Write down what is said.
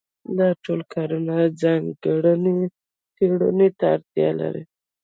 دا ټول کارونه ځانګړې څېړنې ته اړتیا لري.